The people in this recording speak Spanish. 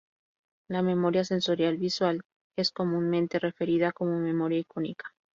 La memoria sensorial visual es comúnmente referida como memoria icónica.